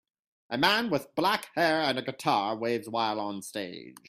A man with black hair and a guitar waves while on stage